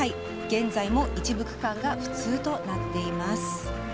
現在も、一部区間が不通となっています。